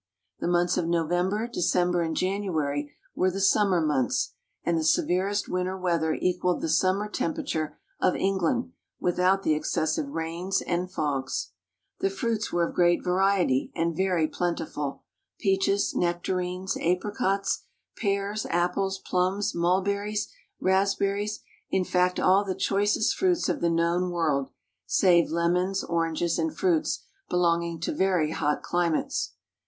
The months of November, December and January were the summer months, and the severest winter weather equaled the summer temperature of England, vrithout the excessive rains and fogs. The fruits were of great variety and very plentiful: peaches, nectarines, apri cots, pears, apples, plums, mulberries, rasp berries, in fact, all the choicest fruits of SKETCHES OF TEAVEL the known world, save lemons, oranges, and fruits belonging to very hot climates.